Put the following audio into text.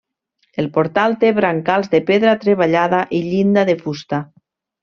El portal té brancals de pedra treballada i llinda de fusta.